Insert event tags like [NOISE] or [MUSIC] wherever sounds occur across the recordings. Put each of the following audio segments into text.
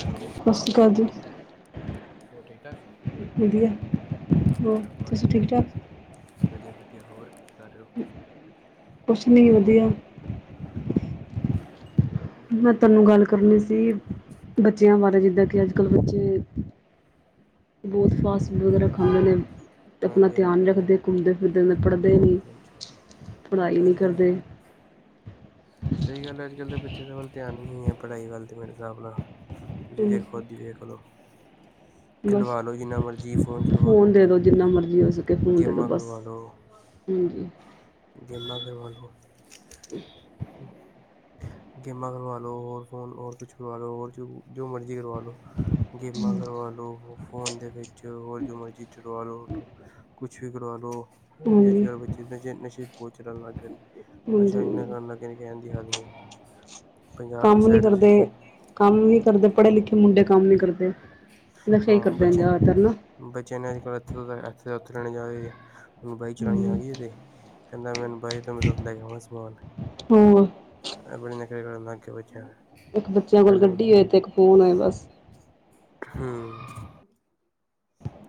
Hello, ਸਤਿ ਸ਼੍ਰੀ ਅਕਾਲ ਜੀ। ਹੋਰ ਠੀਕ-ਠਾਕ? ਵਧੀਆ। ਹੋਰ ਘਰ-ਪਰਿਵਾਰ ਠੀਕ ਹੈ? ਵਧੀਆ-ਵਧੀਆ, ਹੋਰ ਕੀ ਕਰ ਰਹੇ ਹੋ? ਕੁਝ ਨਹੀਂ ਵਧੀਆ। ਹੋਰ ਮੈਂ ਤੁਹਾਨੂੰ ਗੱਲ ਕਰਨੀ ਸੀ, ਬੱਚਿਆਂ ਬਾਰੇ, ਜਿੱਦਾਂ ਕਿ ਅੱਜ-ਕੱਲ ਬੱਚੇ ਬਹੁਤ ਫਾਸਟ-ਫੂਡ ਵਗੈਰਾ ਖਾਂਦੇ ਨੇ। ਤੇ ਅਪਣਾ ਹਾਂਜੀ ਹਾਂਜੀ ਧਿਆਨ ਨੀ ਸਹੀ ਗੱਲ ਰੱਖਦੇ, ਘੁੰਮਦੇ-ਫਿਰਦੇ ਪੜ੍ਹਦੇ ਨਹੀਂ, ਹਾਂਜੀ ਹਾਂਜੀ ਪੜ੍ਹਾਈ ਨਹੀਂ ਅੱਜ ਕੱਲ ਕਰਦੇ। ਸਹੀ ਗੱਲ ਹੈ, ਅੱਜ-ਕੱਲ ਦੇ ਬੱਚਿਆਂ ਦੇ ਵੱਲ ਧਿਆਨ ਹੀ ਹੈ, ਪੜ੍ਹਾਈ ਵੱਲ ਤੇ ਮੇਰੇ ਹਿਸਾਬ ਨਾਲ। ਜੀ ਵੇਖੋ ਹਾਂਜੀ ਖੁਦ ਹੀ, ਵੇਖ ਲਓ। ਬਸ। ਖਿਲਵਾ ਲਓ ਜਿੰਨਾ ਮਰਜ਼ੀ ਫ਼ੋਨ ਚਲਵਾ ਫੋਨ ਲਓ ਦੇਦੋ ਜਿੰਨਾ ਮਰਜ਼ੀ ਹੋ ਸਕੇ ਫੋਨ ਦੇਦੋ ਗੇਮਾਂ ਬਸ। ਕਰਵਾ ਲਓ ਹਾਂਜੀ। ਗੇਮਾਂ ਦੇ ਵੱਲੋਂ। ਗੇਮਾਂ ਕਰਵਾ ਲੋ, ਹੋਰ ਫੋਨ, ਔਰ ਕੁਛ ਕਰਵਾ ਲਓ। ਹੋਰ ਜੋ ਜੋ ਮਰਜ਼ੀ ਕਰਵਾ ਲਓ। ਗੇਮਾਂ ਕਰਵਾ ਲੋ। ਫੋਨ ਦੇ ਵਿੱਚ। ਹੋਰ ਜੋ ਮਰਜ਼ੀ ਚਲਵਾ ਲਓ। ਓਹਤੋ ਕੁੱਛ ਵੀ ਕਰਵਾ ਲਉ ਹਨਾ ਜੇ ਅੱਜ ਹਾਂਜੀ ਕੱਲ੍ਹ ਬੱਚੇ ਨਸ਼ੇ-ਨਸ਼ੇ ਪੋਚ ਰਣ ਲੱਗ ਗਏ ਨੇ। ਨਸ਼ਾ ਇੰਨਾ ਹਾਂਜੀ ਕਰਨ ਲੱਗ ਗਏ ਕਹਿਣ ਦੀ ਹੱਦ ਨਹੀਂ। ਪੰਜਾਬ ਦੀ ਕੰਮ ਨੀ ਸਾਈਡ ਤੁਸੀਂ ਕਰਦੇ, ਕੰਮ ਨੀ ਕਰਦੇ। ਪੜ੍ਹੇ ਲਿਖੇ ਮੁੰਡੇ ਕੰਮ ਨੀ ਕਰਦੇ। ਨਸ਼ੇ ਹੀ ਹਾਂ ਕਰਦੇ ਨੇ ਬੱਚੇ। ਜ਼ਿਆਦਾਤਰ ਨਾ ਬੱਚਿਆਂ ਨੇ ਅੱਜ ਕੱਲ੍ਹ ਇਥੋਂ ਦਾ, ਇਥੋਂ ਦਾ ਓਥੇ ਲੈਣੇ ਜਾਏ। ਹੁਣ ਬਾਇਕ ਚਲਾਣੀ ਆ ਹੂੰ, ਗਈ ਤੇ। ਕਹਿੰਦਾ ਮੈਨੂੰ ਬਾਇਕ ਤੇ ਮੈਂ ਲੈ ਕੇ ਆਵਾਂ ਸਮਾਨ। ਹੋਰ ਇਹ ਬੜੇ ਨੱਖਰੇ ਕਰਨ ਲੱਗ ਗਿਆ ਬੱਚਾ। ਇੱਕ ਬੱਚਿਆਂ ਕੋਲ ਗੱਡੀ ਹੋਏ। ਤੇ ਇੱਕ ਫੋਨ ਹੋਏ ਬਸ। ਹਮ।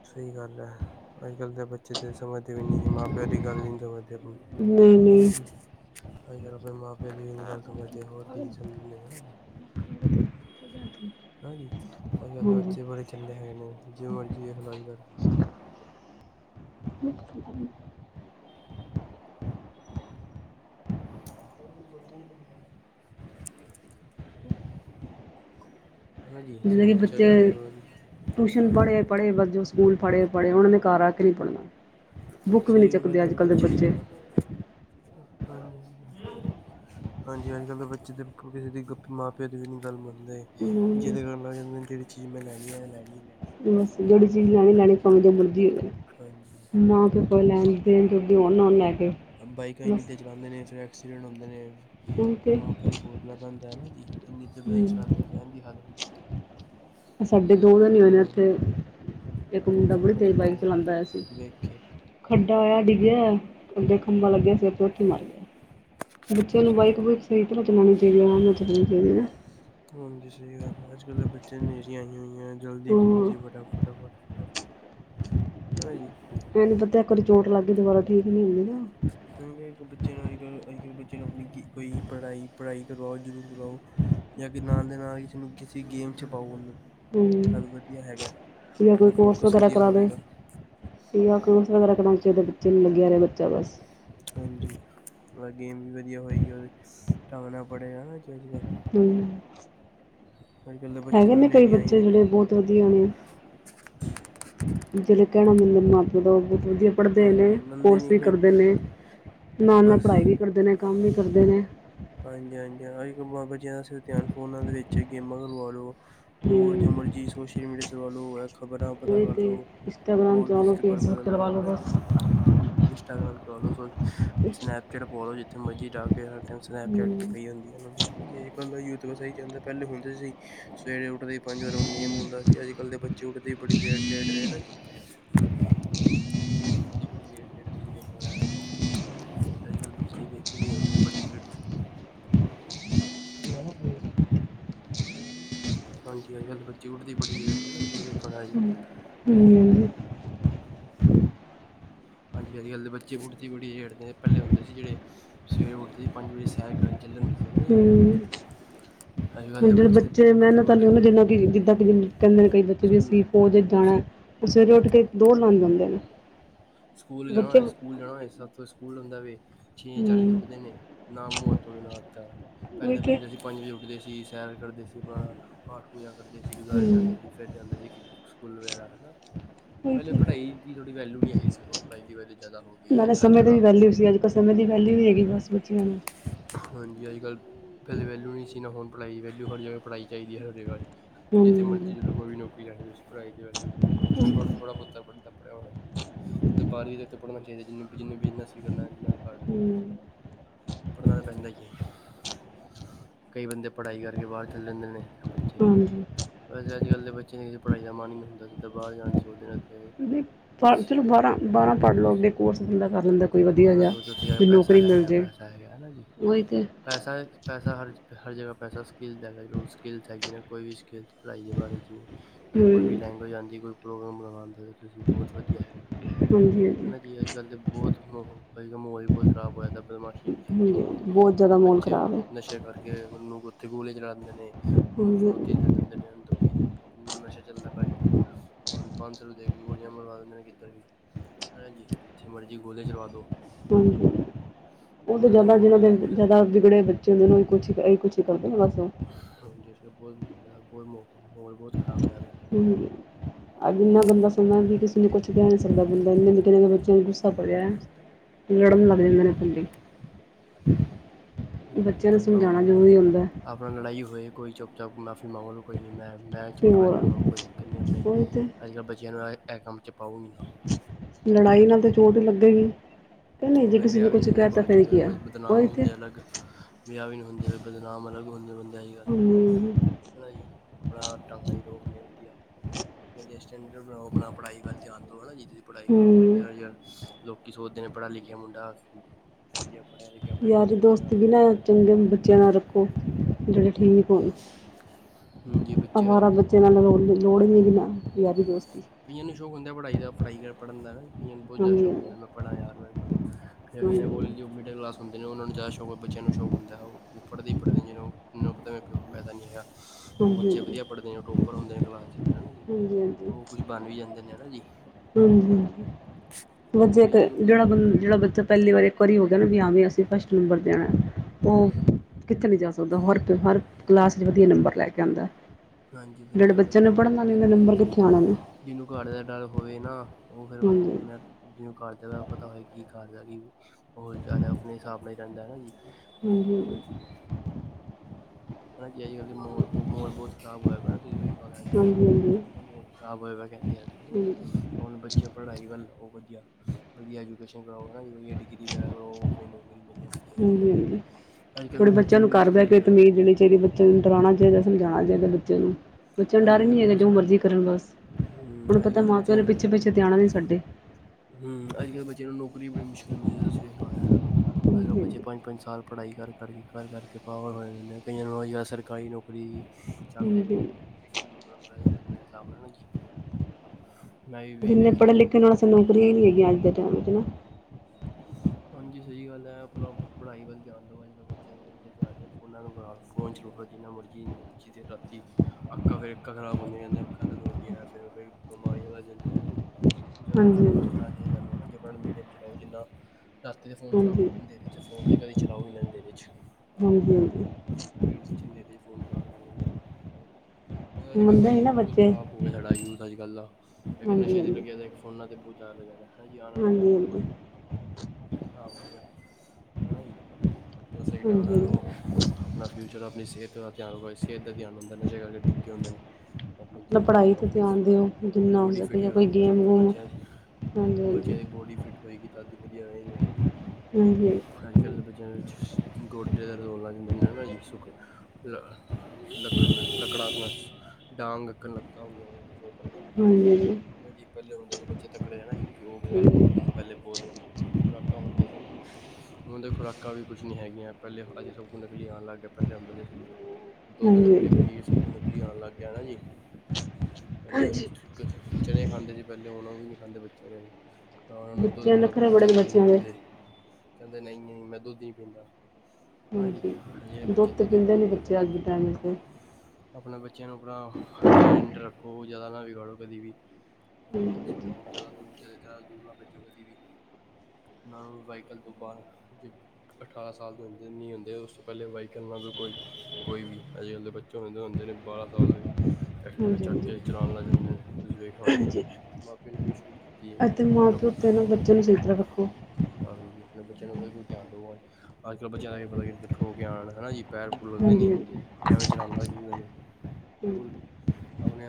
ਸਹੀ ਗੱਲ ਹੈ। ਅੱਜ ਕੱਲ ਦੇ ਬੱਚੇ ਤੇ ਸਮਝਦੇ ਵੀ ਨਹੀਂ। ਮਾਂ ਪਿਓ ਦੀ ਗੱਲ ਵੀ ਨਹੀਂ ਸਮਝਦੇ ਆਪਣੀ। ਨਹੀਂ ਨਹੀਂ ਹਨਾ ਜੀ, ਅੱਜ ਕੱਲ ਆਪਣੇ ਮਾਂ ਪਿਓ ਦੀ ਵੀ ਨੀ ਗੱਲ ਸਮਝਦੇ। ਹੋਰ ਕੀ ਦੀ ਸਮਝਣਗੇ ਹਨਾ ਜੀ। ਹਨਾ ਜੀ। ਅੱਜ ਕੱਲ੍ਹ ਦੇ ਹਾਂਜੀ ਬੱਚੇ ਬੜੇ ਝੱਲੇ ਹੈਗੇ ਨੇ, ਜਿਹਨੂੰ ਮਰਜੀ ਵੇਖ ਲਓ ਅੱਜ ਕੱਲ। ਮ। [INAUDIBLE] [INAUDIBLE] ਹਾਂਜੀ। ਜਿੱਦਾਂ ਕਿ ਬੱਚੇ [UNINTELLIGIBLE] ਟਿਊਸ਼ਨ ਪੜ੍ਹਆਏ - ਪੜ੍ਹੇ, ਬਸ ਜੋ ਸਕੂਲ ਪੜ੍ਹਆਏ- ਪੜ੍ਹੇ। ਉਹਨਾਂ ਨੇ ਘਰ ਆ ਕੇ ਨਹੀਂ ਪੜ੍ਹਨਾ। ਬੁੱਕ ਵੀ ਨਹੀਂ ਸਹੀ ਚੱਕਦੇ। ਅੱਜ ਕੱਲ ਦੇ ਬੱਚੇ। ਹਾਂਜੀ-ਹਾਂਜੀ। ਹਾਂਜੀ। ਅੱਜ ਕੱਲ੍ਹ ਦੇ ਬੱਚੇ ਦੇ ਕਿਸੇ ਦੀ ਮਾਂ - ਪਿਓ ਦੀ ਵੀ ਨਹੀਂ ਗੱਲ ਮੰਨਦੇ। ਜਿਦੇ ਮਗਰ ਪੈ ਜਾਂਦੇ। ਜਿਹੜੀ ਚੀਜ਼ ਮੈਂ ਲੈਣੀ ਆ, ਲੈਣੀ ਹੀ ਲੈਣੀ ਆ। ਬਸ। ਜਿਹੜੀ ਚੀਜ਼ ਲੈਣੀ-ਲੈਣੀ। [UNINTELLIGIBLE] ਹਾਂਜੀ [UNINTELLIGIBLE] ਬਾਈਕਾਂ ਇੰਨੀ ਤੇਜ਼ ਚਲਾਉਂਦੇ ਨੇ। ਫਿਰ ਐਕਸੀਡੈਂਟ ਹੁੰਦੇ ਨੇ। ਤੇ ਮਾਪਿਆ ਨੂੰ ਭੁਗਤਨਾ ਪੈਂਦਾ ਹੈ ਨਾ ਜੀ। ਇੰਨੀ ਤੇਜ਼ ਹੂੰ ਚਲਾਉਂਦੇ ਕਹਿਣ ਦੀ ਹੱਦ ਨਹੀਂ। ਸਾਡੇ ਦੋ ਆ ਆਪਣੀ ਨਿਆਣੇ ਆਰਾਮ ਇਥੇ। ਇੱਕ ਆਪਣੀ ਮੁੰਡਾ ਆਰਾਮ ਬੜੀ ਨਾਲ ਤੇਜ਼ ਬਾਈਕ ਚਲਾਓ ਚਲਾਉਂਦਾ ਇਆ ਸੀ। ਵੇਖੇ ਖੱਡਾ ਹੋਇਆ ਡਿੱਗਿਆ। ਓਥੇ ਖੰਭਾ ਲੱਗਿਆ ਸੀ ਤੇ ਉੱਥੇ ਮਰ ਗਿਆ। ਅਤੇ ਬੱਚਿਆਂ ਨੂੰ ਬਾਈਕ ਬੁਇਕ ਸਹੀ ਤਰ੍ਹਾਂ ਚਲਾਉਣੀ ਚਾਹੀਦੀ। ਆਰਾਮ ਨਾਲ ਚੱਲੀਆਂ ਚਾਹੀਦੀ ਆ। ਹਾਂਜੀ ਸਹੀ ਗੱਲ ਆ। ਅੱਜ- ਕੱਲ ਦੇ ਬੱਚੇ ਨੂੰ ਨੇਹਰੀਆ ਆਈਆ ਹੋਈਆਂ। ਜਲਦੀ ਪਹੁੰਚ ਹਾਂ ਜਾਈਏ ਫਟਾਫਟਾਫਟ-ਫਟਾਫਟ। ਹਨਾ ਜੀ। ਇਹ ਨੀ ਪਤਾ। ਇੱਕ ਵਾਰੀ ਚੋਟ ਲੱਗ ਗਈ ਦੁਬਾਰਾ ਠੀਕ ਨੀ ਹੁੰਦੀ ਨਾ। ਅ ਬੱਚੇ ਨੂੰ ਅੱਜ ਕੱਲ ਅੱਜ ਕੱਲ੍ਹ ਬੱਚੇ ਨੂੰ ਆਪਣੀ ਕੋਈ ਪੜ੍ਹਾਈ-ਪੜ੍ਹਾਈ ਕਰਵਾਓ ਜ਼ਰੂਰ ਕਰਵਾਓ। ਜਾਂ ਕਿ ਨਾਲ ਦੇ ਨਾਲ ਕਿਸ ਕਿਸੇ ਗੇਮ ਚ ਪਾਓ ਉਹਨੂੰ। ਹੂੰ ਤਦ ਵਧੀਆ ਹੈਗਾ। ਉਹਦਾ ਫੋਕਸ ਵਧੀਆ ਹੋਵੇਗਾ। ਸ ਵਗੈਰਾ ਰਖਣਾ ਚਾਹੀਦਾ ਬੱਚੇ ਨੂੰ ਲੱਗਿਆ ਰਿਹਾ ਬੱਚਾ ਬਸ। ਹਾਂਜੀ ਗੇਮ ਵੀ ਵਧੀਆ ਹੋਈਗੀ ਢੰਗ ਨਾਲ ਪੜੇਗਾ ਅੱਜ - ਕੱਲ੍ਹ। ਹਮ ਅੱਜ ਕੱਲ੍ਹ ਦੇ ਬੱਚੇ ਹੈਗੇ ਤਾਂ ਨੇ ਕਈ ਨੇਰੀਆਂ ਆਈਆਂ ਬੱਚੇ ਜੀ ਜਿਹੜੇ ਬਹੁਤ ਬਹੁਤ ਵਧੀਆ ਨੇ ਜਿਹੜੇ ਕਹਿਣਾ ਮੰਨਣ ਮਾਂ- ਪਿਉ ਦਾ ਉਹ ਬਹੁਤ ਵਧੀਆ। ਪੜ੍ਹਦੇ ਨੇ ਹਾਂਜੀ ਮੰਨਦੇ ਕੋਰਸ ਨੀ ਵੀ ਕਿ ਕਰਦੇ ਇੱਕ ਨੇ। ਨਾਲ -ਨਾਲ ਬਸ ਪੜ੍ਹਾਈ ਵੀ ਕਰਦੇ ਨੇ ਕੰਮ ਵੀ ਕਰਦੇ ਨੇ। ਹਾਂਜੀ -ਹਾਂਜੀ ਅੱਜ - ਕੱਲ ਬੱਚਿਆਂ ਦਾ ਸਿਰਫ਼ ਧਿਆਨ ਫੋਨਾਂ ਦੇ ਵਿੱਚ ਗੇਮਾਂ ਖਲਵਾਲੋ। ਹੋਰ ਜੋ ਹੂੰ ਮਰਜ਼ੀ। ਸੋਸ਼ਲ ਮੀਡੀਆ ਚਲਵਾ ਲੋ। ਖ਼ਬਰਾਂ ਪਤਾ ਇਹ ਕਰ ਤੇ ਲਓ। ਇੰਸਟਾਗ੍ਰਾਮ ਹੋਰ ਚਲਾ ਲਓ ਕਿਸ਼ਤ ਪਰ ਪਤਾ ਫੇਸਬੁੱਕ ਚਲਵਾ ਲਾਓ ਲਓ ਨਾ ਜੀ। ਬਸ ਇੰਸਟਾਗ੍ਰਾਮ ਚਲਵਾਲੋ। ਸਨੈਪਚੈਟ ਪਾਵਾਲੋ, ਜਿੱਥੇ ਮਰਜ਼ੀ ਡਾਲ ਕੇ ਹਰ ਟਾਈਮ ਸਨੈਪਚੈਟ ਜ ਹੂੰ ਪਈ ਹੁੰਦੀ। ਜੀ। ਅੱਜ - ਕੱਲ ਦਾ ਯੂਥ ਬਸ ਇਹ ਹੀ ਚਾਹੁੰਦਾ। ਪਹਿਲੇ ਹੁੰਦੇ ਸੀ, ਸਵੇਰੇ ਉੱਠਦੇ ਪੰਜ ਵਾਰ ਨੇਮ ਹੁੰਦਾ ਸੀ। ਅੱਜ - ਕੱਲ੍ਹ ਦੇ ਬੱਚੇ ਉੱਠਦੇ ਹੀ ਬੜੀ ਲੇਟ-ਲੇਟ ਰਹੇ ਨਾ ਜੀ। [INAUDIBLE] ਜੀ [UNINTELLIGIBLE] ਅੱਜ ਕੱਲ ਬੱਚੇ ਵੇਖੇ ਹੋਣੇ। [UNINTELLIGIBLE] [INAUDIBLE] ਹਾਂਜੀ, ਅੱਜ ਕੱਲ੍ਹ ਦੇ ਬੱਚੇ ਉੱਠਦੇ ਬੜੀ ਲੇਟ ਹੈ ਨਾ, ਤੁਸੀਂ ਦੇਖਿਆ ਹੋਣਾ ਹਾਂਜੀ ਹਮ ਹਾਂਜੀ, ਅੱਜ ਕੱਲ ਦੇ ਬੱਚੇ ੳਠਦੇ ਬੜੀੇ ਲੇਟ ਨੇ, ਪੈਲੇ ਹੁੰਦੇ ਸੀ ਜਿਹੜੇ ਸਵੇਰੇ ਉੱਠਦੇ ਹੀ ਪੰਜ ਵਜੇ ਸੈਰ ਕਰਨ ਚੱਲੇ ਜਾਂਦੇ ਸੀ ਹੈ ਨਾ ਜੀ ਹਮ ਅੱਜ ਕੱਲ੍ਹ ਦੇ ਹੁਣ ਜਿਹੜੇ ਤਾਂ ਬੱਚੇ ਮਿਹਨਤ ਘੱਟੋ ਘੱਟ ਆਲੇ ਹੋਣ, ਜਿੰਦਾਂ ਕਿ ਜਿੱਦਾਂ ਕਿ ਜਿ ਕਹਿੰਦੇ ਨੇ ਕਈ ਬੱਚੇ ਵੀ ਸਕੂਲ ਅਸੀਂ ਫੋਜ ਚ ਜਾਣਾ, ਉਹ ਸਵੇਰੇ ਉੱਠ ਕੇ ਦੌੜ ਲਾਣ ਜਾਂਦੇ ਨੇ ਸਕੂਲ ਜਾਣਾ ਬੱਚੇ ਹੋਏ ਹੂੰ ਸਕੂਲ ਜਾਣਾ ਹੋਏ ਸੱਤ ਵਜੇ ਸਕੂਲ ਹੋਦਾ ਏ ਛੇ ਚਾਲੀ ਤੇ ਉੱਠਦੇ ਨੇ, ਨਾਲ ਮੂੰਹਹਥ ਧੋਕੇ ਨਾਲ ਤਯਾਰ, ਉਹੀ ਪਹਿਲੇ ਤੇ ਬੰਦੇ ਸੀ ਪੰਜ ਵਜੇ ਉੱਠਦੇ ਸੀ ਸੈਰ ਵਧੀਆ ਸੀ, ਬੜਾ ਪਾਠ ਪੂਜਾ ਕਰਦੇ ਸੀ ਗੁਰਦੁਆਾਰੇਰੇ ਹੂੰ ਜਾਂਦੇ ਸੀ ਫਿਰ ਜਾਂਦੇ ਸੀ ਕਿ ਸਕੂਲ ਵਗੈਰਾ ਹਨਾ ਉਹੀ ਪਹਿਲੇ ਤੇ ਪੜ੍ਹਾਈ ਦੀ ਥੋੜ੍ਹੀ ਵੈਲਊ ਨਹੀਂ ਹੈਗੀ ਸੀ, ਹੁਣ ਪੜ੍ਹਾਈ ਦੀ ਵੈਲਊ ਜ਼ਿਆਦਾ ਹੋ ਗਈ ਹੈ ਨਾਲੇ ਹਰ ਸਮੇਂ ਦੀ ਵੀ ਜਗ੍ਹਾ ਵੈਲਿਊ ਸੀ ਅੱਜ ਸਮੇਂ ਦੀ ਵੈਲਯੁ ਨਹੀ ਹੈਗੀ ਬਸ ਬੱਚਿਆਂ ਨੂੰ ਹਾਂਜੀ ਅੱਜ ਕੱਲ੍ਹ, ਪਹਿਲੇ ਵੈਲਿਊ ਨਹੀਂ ਸੀ ਨਾ ਹੁਣ ਪੜ੍ਹਾਈ ਦੀ ਵੈਲਊ ਹਰ ਜਗ੍ਹਾ ਪੜ੍ਹਾਈ ਚਾਹੀਦੀ ਹੈ ਹਰ ਜਗ੍ਹਾ ਜਿੱਥੇ ਮਰਜ਼ੀ ਹਾਂਜੀ ਚਲੇ ਜਾਓ ਕੋਈ ਨੀ ਨੋਕਰੀ ਲੈਣੀ ਤੁਸੀਂ, ਪੜਾਈ ਦੀ ਵੈਲਿਊ ਥ ਥੋੜ੍ਹਾ ਬਹੁਤਾ ਬੰਦਾ ਪੜ੍ਹਿਆ ਹੋਣਾ ਚਾਹੀਦਾ ਬਾਰਰਵੀਂ ਤੱਕ ਤੇ ਪੜ੍ਹਨਾ ਚਾਹੀਦਾ, ਜਿਨਹੂ ਜਿਨੇ ਬਿਜ਼ਨਸ ਵੀ ਕਰਨਾ ਜਿਨ੍ਹਾਂ ਘਰ ਦਾ ਬਿਜ਼ਨਸ ਹਾਂਜੀ ਘਰ ਪਿਆ ਪੜ੍ਹਨਾਂ ਤਾਂ ਪੈਂਦਾ ਹੀ ਏ, ਕਈ ਬੰਦੇ ਪੜ੍ਹਾਈ ਕਰਕੇ ਬਾਹਰ ਚਲੇ ਜਾਂਦੇ ਨੇ ਬੱਚੇ, ਹੂੰ ਵੈਸੇ ਅੱਜ ਕੱਲ ਦੇ ਬੱਚੇ ਨੇ ਕਿਸੇ ਪੜ੍ਹਾਈ ਦਾ ਮਨ ਹੀ ਨ ਹੁੰਦਾ ਸਿੱਧਾਂ ਬਾਹਰ ਜਾਣ ਦੋ ਦੇਣਾ [INAUDIBLE] ਚ ਬਾਹਰਾਂ ਪੜ੍ਹ ਲਓ ਅੱਗੇ ਕੋਰਸ ਬੰਦਾ ਕਰ ਲੈਂਦਾ ਕੋਈ ਵਧੀਆ ਉਹਨਾਂ ਜਿਹਾ, ਸੋਚਦੇ ਉੱਥੇ ਜਾ ਕੇ ਕੋਈ ਪੈਸਾ ਨੌਕਰੀ ਮਿਲ ਹੈਗਾ ਜੇ ਪੈਸਾ ਹੈਗਾ ਹੈ ਨਾ ਜੀ ਉਹੀ ਤਾਂ ਪੈਸਾ ਪੈਸਾ, ਹਰ ਹਰ ਜਗ੍ਹਾ ਪੈਸਾ ਸਕਿੱਲ ਹੈਗਾ ਜ ਸਕਿੱਲ ਹੈਗੀ ਨਾ ਕੋਈ ਵੀ ਸਕਿੱਲ ਪੜ੍ਹਾਈ ਦੇ ਬਾਰੇ'ਚ ਸਾਨੂੰ ਹੂੰ ਕੋਈ ਵੀ ਲੈਗੁਏਜ ਆਂਦੀ, ਕੋਈ ਪ੍ਰੋਗਰਾਮ ਬਣਾਉਣਾ ਆਂਦਾ ਤੁਸੀਂ ਬਹੁਤ ਵਧੀਆ ਹੈਗੇ, ਹਾਂਜੀ ਹਾਂਜੀ ਹੈਨਾ ਹਾਂਜੀ ਜੀ ਅੱਜ ਕੱਲ੍ਹ ਤਾਂ ਬਹੁਤ ਮਾਹੌਲ ਵੀ ਬਹੁਤ ਖਰਾਬ ਹੋਇਆ ਦਾ, ਬਦਮਾਸ਼ੀ ਵੀ ਚੱਲਦੀ ਪਈ ਹੈ ਬਹੁਤ ਜ਼ਿਆਦਾ ਮਾਹੌਲ ਬੱਚੇ ਖ਼ਰਾਬ ਹੈ ਨਸ਼ੇ ਕਰਕੇ ਉਹਨੂੰ ਉੱਥੇ ਗੋਲੀ ਚਲਾ ਦਿੰਦੇ ਨੇ ਉਹਨੂੰ ਹਾਂਜੀ ਫੁਰੌਤੀ ਦੇ ਦੇਂਦੇ ਨੇ ਧਮਕੀ ਊਨੂੰ ਨਸ਼ਾ ਚੱਲਦਾ ਭਾਜੀ ਕ ਪੰਜ ਸੌ ਰੁਪਏ ਦੇ ਕੇ ਗੋਲੀਆਂ ਮਰਵਾ ਦੇਂਦੇ ਨੇ, ਕਿੱਤੇ ਵੀ ਹਾਂਜੀ ਜਿਥੇ ਮਰਜ਼ ਜੀ ਗੋਲੀ ਚਲਵਾ ਦਉ ਹਾਂਜੀ, ਉਹ ਤੇ ਜਿਆਦਾ ਮਾਹੌਲ ਜਿਹਨਾਂ ਦੇ ਖਰਾਬ ਹੋਇਆ ਜਿਆਦਾ ਵਿਗੜੇ ਬੱਚੇ ਜਿਨਾ ਦੇ, ਇਹੀ ਕੁਛ ਇਹੀ ਕੁਛ ਹੀ ਕਰਦੇ ਨੇ ਬਸ ਉਹ ਜਿਸ ਬਹੁਤ- ਬਹੁਤ ਮਾਹੌਲ ਬਹੁਤ ਖ਼ਰਾਬ ਹੋਇਆ ਵ ਹਮ ਅੱਜ ਇੰਨਾ ਗੰਦਾ ਸਮਾਂ ਵੀ ਕਿਸੇ ਨੂੰ ਕੁਛ ਕਹਿ ਨਹੀਂ ਸਕਦਾ ਬੰਦਾ, ਇੰ ਨਕੇ ਨਿੱਕੇ ਬੱਚਿਆਂ ਨੂੰ ਗੁੱਸਾ ਭਰਿਆ ਲੜਨ ਲਗ ਜਾਂਦੇ ਨੇ ਹੂੰ ਬੱਚਿਆਂ ਨੂੰ ਆਪਣਾ ਸਮਝਾਉਣਾ ਜ਼ਰੂਰੀ ਹੁੰਦਾ ਆਪਣਾ ਲੜਾਈ ਹੋਏ ਕੋਈ ਚੁੱਪ ਚਾਪ ਮਾਫ਼ੀ ਮੰਗ ਲਓ, ਕੋਈ ਨਹੀਂ ਮੈਂ ਮੈਂ ਕਿ ਛੋਟਾ ਹੋ ਹੋਰ ਜਾਵਾ ਕੋਈ ਦਿੱਕਤ ਨਹੀਂ, ਆਪਣੇ ਉਹੀ ਤੇ ਅੱਜ ਕੱਲ ਬੱਚਿਆਂ ਨੂੰ ਇਹ ਕੰਮ 'ਚ ਪਾਓ ਹੀ ਨਾ ਲੜਾਈ ਨਾਲ ਤੇ ਚੋਟ ਹੀ ਲੱਗੇਗੀ ਕਹਿੰ ਨਹੀਂ ਜੇ ਫਿਰ ਕਿਸੇ ਨੇ ਵਿਆਹ ਵੀ ਨਹੀਂ ਕੁਛ ਹੁੰਦੇ ਕਹਿ ਤਾ ਬਾਅਦ'ਚੋਂ ਫਿਰ ਕੀ ਆ ਉਹੀ ਬਦਨਾਮ ਤੇ ਹੁੰਦੇ ਅਲੱਗ ਵਿਆਵ ਨਹੀਂ ਹੁੰਦੇ ਹੋ, ਬਦਨਾਮ ਅਲੱਗ ਹੁੰਦੇ ਹੁੰਦੇ ਅਜ ਕਲ ਹੂੰ ਹਨਾ ਜੀ, ਆਪਣਾ ਢੰਗ ਨਾਲ ਰੋਬ ਣੇ ਵਧੀਆ ਸਟੈਂਡਡ ਬਣਾਓ ਆਪਣਾ ਪੜਾਈ ਵੱਲ ਧਿਆਨ ਦਓ ਹੈਨਾ ਜਿ ਪੜ੍ਹਾਈ ਕਰੋ, ਹੂੰ ਪੰਜਾਹ ਹਜ਼ਾਰ ਲੋਕੀ ਸੋਚਦੇ ਨੇ ਪੜ੍ਹਾ ਲਿਖਿਆ ਮੁੰਡਾ ਵਧੀਆ, ਪੜ ਯਾਰੀ ਦੋਸਤੀ ਵੀ ਨਾ ਚੰਗੇ ਬੱਚਿਆਂ ਨਾਲ ਰੱਖੋ ਜਿਹੜੇ ਠੀਕ ਹੋਣ, ਜੀ ਬੱਚਿਆਂ 'ਚ ਅਵਾਰਾ ਬੱਚੇ ਨਾਲ ਲੋੜ ਨੀ ਲੋੜ ਨੀ ਬਣਾਨ ਦੀ ਯਾਰੀ ਦੋਸਤੀ ਕਈਆਂ ਨੂੰ ਸ਼ੌਕ ਹੁੰਦਾ ਪੜ੍ਹਾਈ ਦਾ, ਪੜ੍ਹਾਈ ਪੜ੍ਹਣ ਦਾ ਨਾ ਕਈਆਂ ਨੂੰ ਬਹੁਤ ਜ਼ਿਆਦਾ ਹਾਂਜੀ ਸ਼ੌਕੁ ਹੁੰਦਾ ਮੈਂ ਪੜਾਂ ਯਾਰ ਹਾਂਜੀ ਇਹੋ ਮੀਡੇ ਕਲਾਸ [INAUDIBLE] ਹੁੰਦੇ ਨੇ ਉਹਨਾਂ ਨੂੰ ਜ਼ਿਆਦਾ ਸ਼ੌਂਕ ਹੈ ਬੱਚਿਆਂ ਨੂੰ ਸ਼ੌਕ ਹੁੰਦਾ ਉਹ ਪੜ੍ਹਦੇ ਹੀ ਪੜ੍ਹਦੇ ਜਿਨੂੰ ਉਹਨਾਂ ਨੂੰ ਪਤਾ ਮੇਰੇ ਪੳ ਪੈਸਾ ਨੀ ਹੈਗਾ। ਹਾਂਜੀ ਉਹ ਹਾਂਜੀ ਬੱਚੇ ਵਧੀਆ ਪੜ੍ਹਦੇ ਨੇ ਉਹ ਟੋਪਰ ਹੁੰਦੇ ਨੇ ਕਲਾਸ ਚ ਫਿਰ ਹੈਨਾ ਜੀ। ਹਾਂਜੀ ਹਾਂਜੀ ਉਹ ਕੁਛ ਬਣ ਵੀ ਜਾਂਦੇ ਨੇ ਹੈਨਾ ਜੀ। ਹਮ ਹੁਣ ਬੱਚੇ ਇੱਕ ਕਈਆਂ ਨੂੰ ਕੋਈ ਜਿਹੜਾ ਬੰ ਜਿਹੜਾ ਬੱਚਾ ਪਹਿਲੀ ਵਾਰੀ ਪਰੀ ਹੋ ਗਿਆ ਨਾ ਵੀ ਹਾਂ ਵੀ ਅਸੀਂ ਫਸਟ ਨੰਬਰ ਤੇ ਆਨਾ ਉਹ ਕਿੱਥੇ ਨੀ ਜਾ ਸਕਦਾ ਹਰ-ਹਰ ਕਲਾਸ ਚ ਵਧੀਆ ਨੰਬਰ ਲੈ ਕੇ ਆਦਾ। ਹਾਂਜੀ ਜਿੜੇ ਵਧੀਆ ਬੱਚਿਆਂ ਵਧੀਆ ਨੂੰ ਪੜ੍ਹਨਾ ਨੀ ਨਾ ਉਹਦੇ ਜਿਹਨੂੰ ਨੰਬਰ ਕਿੱਥੇ ਆਨੇ ਨੇ। ਜਿਹਨੂੰ ਘਰ ਦਾ ਡਰ ਹੋਵੇ ਨਾ ਉਹ ਫਿਰ ਹਾਂਜੀ ਆਪਣੇ ਜਿਹਨੂੰ ਕਰਦਾ ਦਾ ਪਤਾ ਹੋਏ ਕੀ ਕਰਦਾ ਕੀ ਮਾਹੌਲ ਚ ਆਨਾ ਆਪਣੇ ਹਿਸਾਬ ਨਾਲ ਹੀ ਰਹਿੰਦਾ ਹੈ ਨਾ ਜੀ। ਹੁ-ਹੁ ਹਨਾ ਜੀ ਅੱਜ ਕੱਲ ਮਲ ਮਾਹਲ ਬਹੁਤ ਖਰਾਬ ਹੋਇਆ ਤੁਸੀ ਵੇਖੀਆ ਹੋਣਾ [UNINTELLIGIBLE] ਹਾਂਜੀ ਹਾਂਜੀ ਇਨ੍ਹਾਂ ਮੋਲ ਖਰਾਬ ਹੋਇ ਵ ਕਹਿੰਦੀ ਹਦ ਨੀ ਹਨਾ ਜੀ। ਹਾਂਜੀ ਹੁਣ ਬੱਚੇ ਪੜ੍ਹਾਈ ਵਲ ਓ ਵਧੀਆ, ਵਧੀਆ ਐਜੂਕੇਸ਼ਨ ਕਰਵਾਓ ਹਨਾ ਜੀ ਵਧੀਆ ਡਿ [UNINTELLIGIBLE] ਫੇਰ ਨੌਕਰੀ ਮਿਲੇ ਵਦੀਆ ਜੀ ਹਨਾ ਹਾਂਜੀ ਬਈ, ਹਾਂਜੀ ਅੱਜ - ਕੱਲ ਦੇ ਬੱਚੇ ਤੇ ਮੁਸ਼ਕਿਲ ਈ ਐ। ਫੇਰ ਵੀ ਬੱਚਿਆਂ ਨੂੰ ਡਰਾਉਣਾ ਚਾਹੀਦਾ ਸਮਝਾਉਣਾ ਚਾਹੀਦਾ ਬੱਚੇ ਨੂੰ। ਬੱਚਿਆਂ ਨੂੰ ਅੱਜ ਡਰ ਹੀ ਕੱਲ੍ਹ ਦੇ ਨੀ ਹੈਗਾ ਜੋ ਬੱਚੇ ਮਰਜ਼ੀ ਕਰਨ ਬਸ ਹੂੰ ਉਹਨੂੰ ਅੱਜ ਪਤਾ ਕੱਲ੍ਹ ਦੇ ਮਾਂ ਪਿਓ ਨੇ ਪਿੱਛੇ-ਪਿੱਛੇ ਤੇ ਆਣਾ ਨੀ ਸਾਡੇ। ਹਮ ਅੱਜ ਕੱਲ੍ਹ ਬੱਚੇ ਨੂੰ ਨੌਕਰੀ ਬੜੀ ਮੁਸ਼ਕਿਲ ਮਿਲਦੀ ਹੈ ਤੁਸੀ ਇਹੀ ਹਾਲ ਹੈ ਅੱਜ ਕੱਲ ਹਾਂਜੀ ਬੱਚੇ ਪੰਜ ਪੰਜ ਸਾਲ ਪੜ੍ਹਾਈ ਕਰ ਕਰਕੇ, ਕਰ ਕਰਕੇ ਪਾਗਲ ਹੋ ਦੇ ਨੇ ਕਈਆਂ ਨੂੰ ਅੱਲ ਸਰਕਾਰੀ ਨੌਕਰੀ ਚਾਹੁੰਦੇ ਨੇ ਉਹ ਹਾਂਜੀ ਵੀ ਇੱਕ-ਇੱਕ ਨੰਬਰਾਂ ਤੋਂ ਰਹਿ ਜਾਂਦੇ ਨੇ ਮੇਰੇ ਹਿਸਾਬ ਨਾਲ ਹਨਾ ਜੀ। ਮੈਂ ਵੀ ਜਿੰਨੇ ਪੜੇ ਵੇਖਿਆ ਲਿਖੇ ਉਹਨਾਂ ਵਾਸਤੇ ਨੌਕਰੀਆ ਨੀ ਹੈਗੀ ਅੱਜ ਦੇ ਟੈਮ ਵਿੱਚ ਨਾ। ਹਾਂਜੀ ਸਹੀ ਗੱਲ ਹੈ ਆਪਣਾ ਪੜ੍ਹਾਈ ਵੱਲ ਧਿਆਨ ਦਵੋ ਅੱਜ ਕੱਲ ਬੱਚੇ ਇਹੋ ਜਿਹੇ ਧਿਆਨ ਨੀ ਹੈ ਫੋਨਾਂ ਨੂੰ ਬਲਾਉ ਫੋਨ ਚਲਾਵਾ ਜਿੰਨਾ ਮਰਜ਼ੀ ਜਨੀ ਮਰਜ਼ੀ ਦੇ ਰਾਤੀ। ਅੱਖਾ ਫੇਰ ਅੱਖਾ ਖਰਾਬ ਹੁੰਦੀਆ ਜਾਂਦੀਆ ਅੱਖਾ ਦਰਦ ਹੁੰਦੀਆਂ ਫਿਰ, ਫਿਰ ਬਿਮਾਰੀਆਂ ਲੱਗ ਜਾਂਦੀਆ ਹਨਾ ਜੀ। ਜ਼ਿਆਦਾ ਹਾਂਜੀ ਫੋਨ ਨਹੀ ਚਲਾਣਾ ਚਾਹੀਦਾ ਸਾਨੂੰ ਹਨਾ ਮੀਡੀਅਮ ਚਲਾਓ ਜਿੰਨਾ ਰਾਤੀ ਤੇ ਫੋਨ ਚਲਾਓ ਹੀ ਹਾਂਜੀ ਨਾ ਹਦੇਰੇ ਚ ਫੋਨ ਤੇ ਕਦੇ ਚਲਾਓ ਹੀ ਨਾ ਹੰਦੇਰੇ ਚ। ਹਾਂਜੀ ਹਾਂਜੀ ਅਜ ਕਲ ਬੱਚੇ ਅੰਧੇਰੇ ਚ ਫੋਨ ਚਲਾਨ ਲੱਗ ਜਾਂਦੇ ਨੇ। ਅੱਜ ਕੱਲ੍ਹ ਦਾ ਮੰਨਦੇ ਨਹੀਂ ਨਾ ਯੂਥ ਬਹੁਤ ਬੱਚੇ ਖਰਾਬ ਹੋ ਗਿਆ ਸਾਡਾ ਯੂਥ ਅੱਜ ਕੱਲ ਦਾ ਹਾਂਜੀ ਨਸ਼ੇ ਚ ਹਾਂਜੀ ਲੱਗਿਆ ਫੋਨਾ ਤੇ ਬਹੁਤ ਜ਼ਿਆ ਲਗਿਆ ਦਾ ਹੈ ਨਾ ਜੀ ਆਉਣ ਵਾਲ ਟਾਈਮ ਹਾਂਜੀ ਹਾਂਜੀ ਹਾਂਜੀ ਬਹੁਤ ਹੀ ਹਾਂ ਆਪਣਾ ਹਨਾ ਜੀ ਆਪਣਾ ਸਹੀ ਢੰਗ ਨਾਲ ਹਾਂਜੀ ਰਵੋ। ਆਪਣਾ ਫਿਊਚਰ ਆਪਣੀ ਸਿਹ ਦਾ ਧਿਆਨ ਰੱਖੋ ਸਕ ਸਿਹਤ ਦਾ ਧਿਆਨ ਹੁੰਦਾ ਨਸ਼ੇ ਕਰਕੇ ਡਿੱਗੇ ਹੁੰਦੇ ਨੇ ਆਪਣੀ ਆਪਣਾ ਜਿਮ ਜੂਮ ਪੜ੍ਹਾਈ ਜਾਓ 'ਤੇ ਆਪਣੀ ਧਿਆਨ ਦਿਓ ਜਿੰਨਾ ਹੋ ਬੋਡੀ ਸਕੇ ਫਿਟ ਜਾਂ ਕੋਈ ਗੇਮ ਰੱਖੋ ਗੂਮ ਬੱਚਿਆਂ ਦੀ। ਹਾਂਜੀ ਹਾਂਜੀ ਬੱਚਿਆਂ ਦੀ ਬੋਡੀ ਫਿਟ ਹੋਏਗੀ ਤਦੀ ਵਧੀਆ ਰਹੇਗੀ ਹਨਾ ਜੀ। ਹਾਂਜੀ ਅਜ ਕੱਲ ਦੇ ਬੱਚਿਆਂ ਨੂੰ ਗੋਡੇ ਦਰਦ ਹੋਣ ਲੱਗ ਜਾਂਦੇ ਨੇ ਹਨਾ ਜੀ ਸੁੱਕ ਲੱਕੜ ਲੱਕੜਾਂ ਡਾਂਗ ਲੱਤਾਂ ਹੁੰਦੀਆਂ ਨੇ। [UNINTELLIGIBLE] ਹਾਂਜੀ ਹਾਂਜੀ ਬਿਲਕੁਲ ਜੀ ਪਹਿੱਲੇ ਹੁੰਦੇ ਸੀ ਬੱਚੇ ਤਕੜੇ ਹੇਨਾ ਜੀ, ਉਹ ਖੁਰਾਕ ਹੁੰਦੀ ਸੀ ਪਹਿਲੇ ਬੋਹਤ। ਖੁਰਾਕਾਂ ਹੁੰਦੀਆਂ ਸੀ ਹਨਾ ਜੀ। ਹੁਣ ਤੇ ਖੁਰਾਕਾ ਵੀ ਕੁਛ ਨੀ ਹੈਗੀਆ ਪਹਿਲੇ ਅਜੇ ਸਭ ਕੁ ਨਿਕਲੀ ਆਉਣ ਲੱਗ ਗਿਆ ਪਹਿਲੇ ਆਦਾ ਸੀੇ ਅਸਲੀ। ਦੁੱਧ ਹਾਂਜੀ ਨਕਲੀ, ਹਾਂਜੀ ਪਨੀਰ ਸਭ ਕੁਝ ਨਕਲੀ ਆਉਣ ਲੱਗ ਗਿਆ ਹਨਾ ਜੀ ਹਾਂਜੀ [UNINTELLIGIBLE] ਚਣੇ ਖਾਂਦੇ ਸੀ ਪਹਿਲੇ ਹੁਣ ਉਹ ਵੀ ਨੀ ਖਾਂਦੇ ਬੱਚੇ ਉਹਨਾਂ ਨੂੰ ਦੁੱਧ ਬੱਚਿਆਂ ਦੇ ਪਿਲਾਦੋ ਕ ਨਖਰੇ ਬੜੇ ਨੇ ਬੱਚਿਆਂ ਦੇ ਕਹਿੰਦੇ ਨਹੀਂ-ਨਹੀਂ ਮੈਂ ਦੁੱਧ ਨੀ ਪੀਂਦਾ। ਹਨਾ ਜੀ, ਹਾਂਜੀ ਹਾਂਜੀ ਬੱਚੇ ਤੇ ਦੁੱਧ ਇ ਨੀ ਪੀਂਦੇ ਬੱਚੇ ਅੱਜ ਦੇ ਟਾਈਮ ਤੇ [UNINTELLIGIBLE] ਆਪਣੇ ਬੱਚਿਆਂ ਨੂੰ ਆਪਣਾ ਆਪਣੇ ਅੰਡਰ ਰੱਖੋ ਜਾਦਾ ਨਾ ਵਿਗਾੜੋ ਕਦੇ ਵੀ। ਉਹਨੂੰ ਨੂੰ ਹਾਂਜੀ ਸਮਝਾਓ ਜਾਦਾ ਦੂਰ ਚਲੇ ਜਾਦਾ ਦੂਰ ਨਾ ਭੇਜੋ ਕਦੀ ਵੀ। ਨਾਲੋਂ ਵਹੀਕਲ ਤੋਂ ਬਾਹਰ ਜਿ ਅਠਾਰਾਂ ਸਾਲ ਦੇ ਹੁੰਦੇ ਨਹੀਂ ਹੁੰਦੇ ਉਸ ਤੋਂ ਪਹਿਲੇ ਵਹੀਕਲ ਨਾ ਦੋ ਕੋਈ ਵੀ ਅੱਜ ਕੱਲ ਦੇ ਬੱ ਚੇ ਦੇ ਹੁੰਦੇ ਨੇ ਬਾਰਾਂ ਸਾਲ ਦੇ। ਐਕਟਵੇ ਹਾਂਜੀ ਹਾਂਜੀ ਚੱਕ ਕੇ ਚਲਾਉਣ ਲੱਗ ਜਾਂਦੇ ਨੇ ਤੁਸੀਂ ਵੇਖਿਆ ਹੋਣਾ ਮਾਂ ਪਿਓ ਨੇ ਪੂਰੀ ਛੂਟ ਦਿ ਐ ਤੇ ਮਾਂ ਪਿਓ ਅਤੇ ਨਾ ਬੱਚਿਆਂ ਨੂੰ ਸਹੀ ਤਰ੍ਹਾਂ ਰੱਖੋ। ਹਾਂਜੀ ਆਪਣੇ ਬੱਚਿਆਂ ਨੂੰ ਜ਼ਰੂਰ ਧਿਆਨ ਦਵੋ ਅੱਜ ਕੱਲ੍ਹ ਬੱਚਿਆਂ ਦਾ ਕੀ ਪਤਾ ਕਿੱਥੋਂ ਹੋ ਕੇ ਆਣ ਹਨਾ ਜੀ। ਪੈਰ ਪੂਰ ਲੱਗਦੇ ਨੀ ਹਾਂਜੀ ਹਾਂਜੀ ਐਵੇਂ ਚਲਾਉਣ ਲੱਗ ਜਾਂਦੇ ਨੇ ਪੁਲ ਆਪਣੇ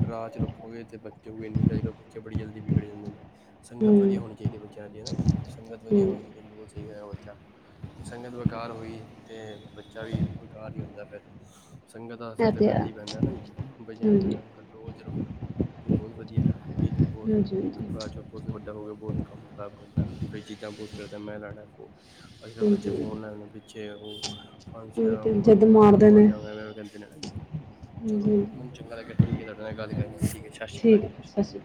ਡਰਾ ਚ ਰੱਖੋਗੇ ਤੇ ਬਚੋਗੇ ਨੀ, ਅੱਜ-ਕੱਲ੍ਹ ਬੱਚੇ ਬੜੀ ਜਲਦੀ ਵਿਗੜ ਜਾਂਦੇ ਨੇ। ਸੰਗਤ ਹੂੰ ਵਧੀਆ ਹੋਣੀ ਚਾਹੀਦੀ ਐ ਬੱਚਿਆਂ ਦੀ ਹੈਨਾ ਜੀ, ਸੰਗਤ ਹੂੰ ਵਧੀਆ ਹੋਏਗੀ ਇਹ ਬਿਲਕੁਲ ਸਹੀ ਹੋਏਗਾ ਬੱਚਾ। ਸੰਗਤ ਬੇਕਾਰ ਹੋਈ, ਤੇ ਬੱਚਾ ਵੀ ਬੇਕਾਰ ਹੀ ਹੁੰਦਾ ਫਿਰ। ਸੰਗਤ ਦਾ ਅਸਰ ਤੇ ਪੈਂਦਾ ਹੀ ਪੈਂਦਾ ਨਾ ਜੀ, ਬੱਚਿਆਂ ਦੇ ਹਾਂਜੀ ਉਪਰ। ਕੰਟਰੋਲ ਚ ਰੱਖੋ ਕਿ ਬਹੁਤ ਵਧੀਆ, ਨਹੀਂ ਤਾਂ ਬਹੁਤ ਹਾਂਜੀ ਹਾਂਜੀ ਹਾਂਜੀ ਬਾਦ ਚੋਂ ਬਹੁਤੀ ਵੱਡਾ ਹੋ ਗਿਆ ਬਹੁਤ ਕੰਮ ਖਰਾਬ ਕਰਦਾ, ਜਿਵੇੰ ਮੈਂ ਨਾ ਜ਼ਿੱਦਾਂ ਬਹੁਤ ਕਰਦਾ ਮੈਂ ਲੈਣਾ ਫੋਨ। ਅੱਜ-ਕੱਲ ਬੱਚੇ ਹਾਂਜੀ ਫੋਨ ਲੈਣ ਦੇ ਪਿੱਛੇ ਓਹ ਹਾਂਜੀ ਹਾਂ, ਉਹੀ ਤੇ ਜਿੱਦ ਓਹ ਕਹਿੰਦਾ ਮੈਂ ਮਾਰਦੇ ਨੇ ਮਰਜਾਂਗਾ ਨਈ ਓਹ ਕਹਿੰਦੇ ਨੇ ਹਾਂਜੀ, ਚਲੋ ਹਾਂਜੀ ਮੈ ਹਾਂਜੀ ਚੰਗਾ ਲੱਗਾ ਠੀਕ ਐ, ਤਾਡੇ ਨਾਲ ਗੱਲ ਕਰਕੇ ਠੀਕ ਐ ਜੀ। ਠੀਕ ਐ, ਸਤਿ ਸ਼੍ਰੀ ਅਕਾਲ ਸਸ ਰੀ